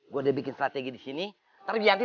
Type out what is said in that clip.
gue bikin strategi di sini terjadi